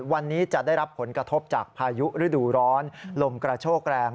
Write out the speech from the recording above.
วันนี้จะได้รับผลกระทบจากพายุฤดูร้อนลมกระโชกแรง